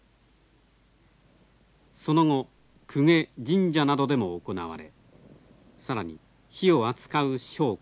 その後公家神社などでも行われ更に火を扱う商家